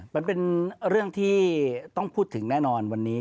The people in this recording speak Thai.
มันเป็นเรื่องที่ต้องพูดถึงแน่นอนวันนี้